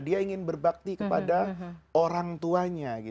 dia ingin berbakti kepada orang tuanya